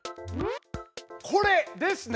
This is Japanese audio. これですね！